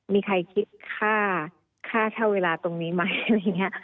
มีใครคาช่าเวลาตรงนี้ไหมอะไรแบบนี้